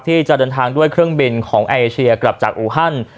ที่จะเดินทางด้วยเครื่องบินของเอเชียกลับจากอูฮัน